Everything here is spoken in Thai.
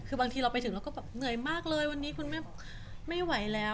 คือบางทีเราไปถึงเราก็แบบเหนื่อยมากเลยวันนี้คุณแม่ไม่ไหวแล้ว